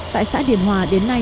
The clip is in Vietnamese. tại xã điền hòa đến nay